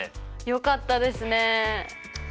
よかったですね！